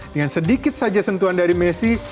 dengan sedikit saja sentuhan dari messi